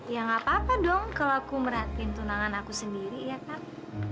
ya gak apa apa dong kalau aku merhatiin tunangan aku sendiri ya kan